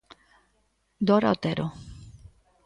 Dora Otero.